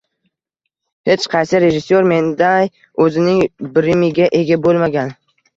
Hech qaysi rejissyor menday o‘zining Brimiga ega bo‘lmagan!